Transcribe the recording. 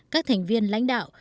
các thành viên lãnh đạo